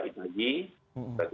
sama dengan itagi